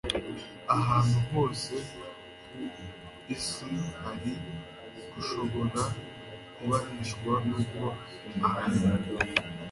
Ahantu hose ku isi hari gushobora kubahishwa nuko ahari.